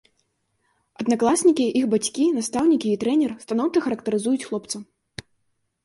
Аднакласнікі, іх бацькі, настаўнікі і трэнер станоўча характарызуюць хлопца.